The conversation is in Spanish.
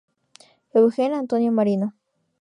Eugene Antonio Marino.